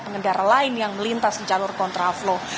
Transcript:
pengendara lain yang melintas ke jalur kontra flow